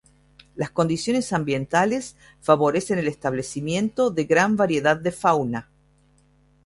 Las condiciones ambientales favorecen el establecimiento de gran variedad de fauna.